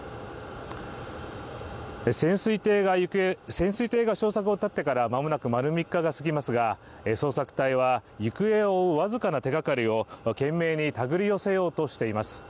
潜水艇が消息を絶ってから間もなく丸３日が過ぎますが、捜索隊は行方を追う僅かな手がかりを懸命にたぐり寄せようとしています。